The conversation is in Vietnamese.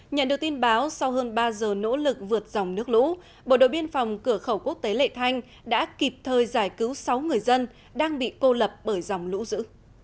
nhận được tin báo sau hơn ba giờ nỗ lực vượt dòng nước lũ bộ đội biên phòng cửa khẩu quốc tế lệ thanh đã kịp thời giải cứu sáu người dân đang bị cô lập bởi dòng lũ dữ